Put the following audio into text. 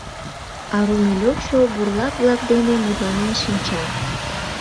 А Румелёвшо бурлак-влак дене мутланен шинча.